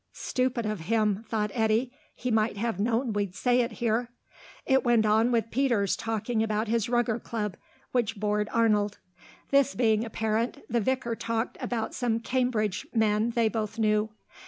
("Stupid of him," thought Eddy; "he might have known we'd say it here.") It went on with Peters talking about his Rugger club, which bored Arnold. This being apparent, the Vicar talked about some Cambridge men they both knew.